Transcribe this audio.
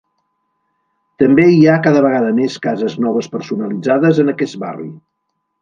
També hi ha cada vegada més cases noves personalitzades en aquest barri.